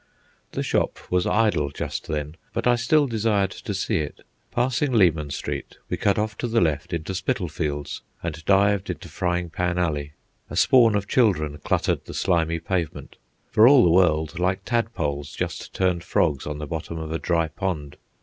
The shop was idle just then, but I still desired to see it. Passing Leman Street, we cut off to the left into Spitalfields, and dived into Frying pan Alley. A spawn of children cluttered the slimy pavement, for all the world like tadpoles just turned frogs on the bottom of a dry pond.